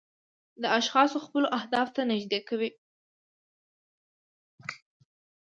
دا اشخاص خپلو اهدافو ته نږدې کوي.